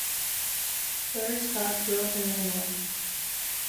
Hillary Scott grew up in Illinois.